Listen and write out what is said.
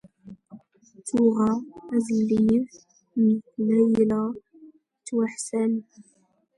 ⵜⵓⵖⴰ ⴰⵣⵍⵍⵉⴼ ⵏ ⵍⴰⵢⵍⴰ ⵉⵜⵜⵡⴰⵃⵙⵙⴰⵏ.